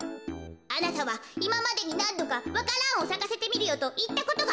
あなたはいままでになんどかわか蘭をさかせてみるよといったことがありますね？